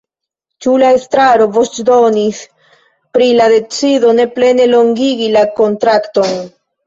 Ĉu la estraro voĉdonis pri la decido ne plene longigi la kontrakton?